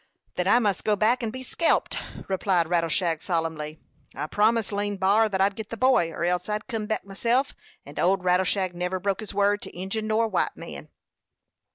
"Then I must go back and be skelped," replied Rattleshag, solemnly. "I promised Lean B'ar thet I'd git the boy, or else I'd kim back myself; and old Rattleshag never broke his word to Injin or white man."